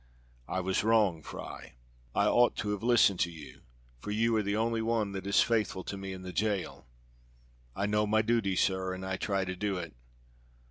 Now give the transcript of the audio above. "I was wrong, Fry. I ought to have listened to you, for you are the only one that is faithful to me in the jail." "I know my duty, sir, and I try to do it."